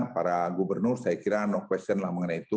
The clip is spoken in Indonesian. para gubernur saya kira no question lah mengenai itu